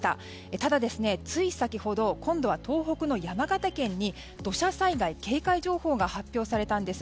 ただ、つい先ほど今度は東北の山形県に土砂災害警戒情報が発表されたんです。